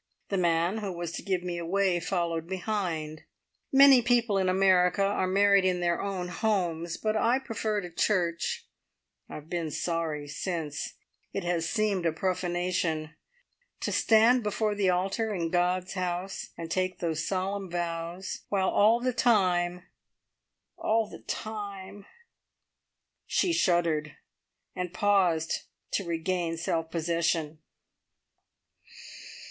The man who was to give me away followed behind. Many people in America are married in their own homes, but I preferred a church. I've been sorry since. It has seemed a profanation. To stand before the altar in God's house and take those solemn vows, while all the time all the time " She shuddered, and paused to regain self possession.